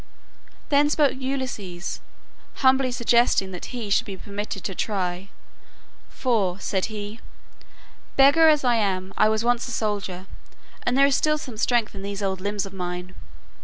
Then spoke Ulysses, humbly suggesting that he should be permitted to try; for, said he, "beggar as I am, I was once a soldier, and there is still some strength in these old limbs of mine."